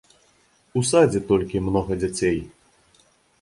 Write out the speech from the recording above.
У садзе толькі многа дзяцей.